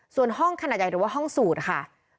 ส่วนห้องขนาดใหญ่หรือว่าห้องสูตรค่ะ